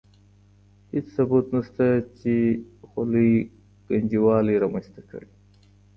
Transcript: هېڅ ثبوت نشته چې خولۍ ګنجوالی رامنځته کړي.